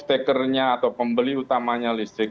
stekernya atau pembeli utamanya listrik